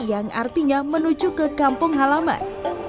yang artinya menuju ke kampung halaman